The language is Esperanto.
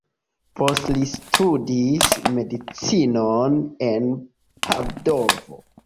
Poste li studis medicinon en Padovo.